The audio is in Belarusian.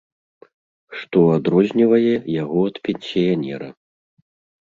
Што адрознівае яго ад пенсіянера.